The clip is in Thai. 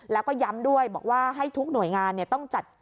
แล้วก็ย้ำด้วยบอกว่าให้ทุกหน่วยงานต้องจัด